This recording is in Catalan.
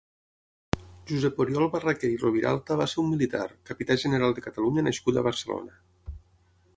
Josep Oriol Barraquer i Roviralta va ser un militar, Capità General de Catalunya nascut a Barcelona.